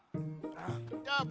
どーも！